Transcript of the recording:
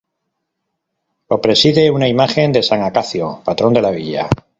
Lo preside una imagen de San Acacio, patrón de la villa.